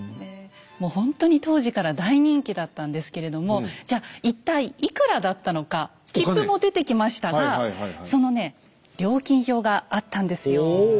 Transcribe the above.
もうほんとに当時から大人気だったんですけれどもじゃ一体いくらだったのか切符も出てきましたがそのね料金表があったんですよ。